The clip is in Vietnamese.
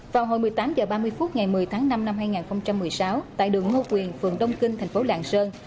vào hồi một mươi tám h ba mươi phút ngày một mươi tháng năm năm hai nghìn một mươi sáu tại đường ngô quyền phường đông kinh thành phố lạng sơn